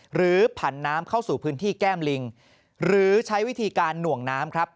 ผันน้ำเข้าสู่พื้นที่แก้มลิงหรือใช้วิธีการหน่วงน้ำครับ